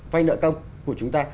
vay nợ công của chúng ta